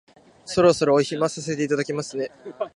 そろそろお暇させていただきますね